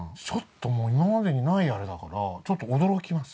今までにないあれだからちょっと驚きます。